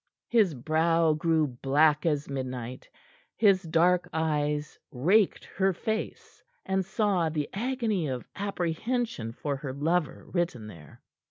His brow grew black as midnight; his dark eyes raked her face, and saw the agony of apprehension for her lover written there.